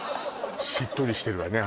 しっとりしてるわね